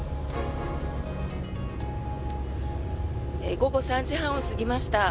午後３時半を過ぎました。